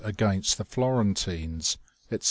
against the Florentines, etc.